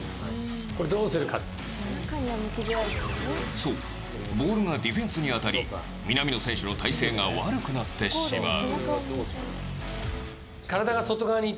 そう、ボールがディフェンスに当たり南野選手の体勢が悪くなってしまう。